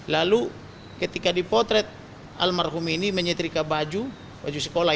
lalu ketika dipotret almarhum ini menyetrika baju sekolah